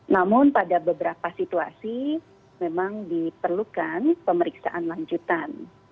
namun pada beberapa situasi memang diperlukan pemeriksaan lanjutan